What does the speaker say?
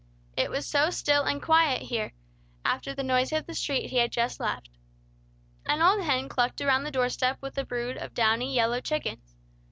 It was so still and quiet here, after the noise of the street he had just left. An old hen clucked around the door step with a brood of downy, yellow chickens.